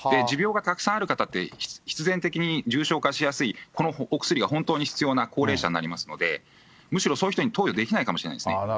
持病がたくさんある方って、必然的に重症化しやすい、このお薬が本当に必要な高齢者になりますので、むしろそういう人に投与できないかもしれないですね。